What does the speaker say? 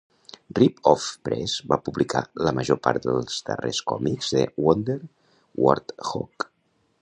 Rip Off Press va publicar la major part dels darrers còmics de Wonder Wart-Hog.